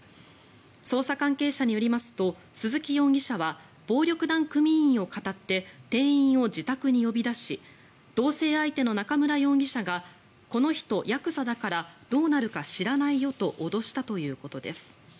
捜査関係者によりますと鈴木容疑者は暴力団組員をかたって店員を自宅に呼び出し同棲相手の中村容疑者がこの人、ヤクザだからどうなるか知らないよと脅したということです。